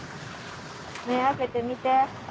目開けてみて。